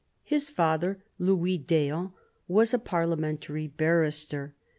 His father, Louis d'Eon, was a parliamentary barrister.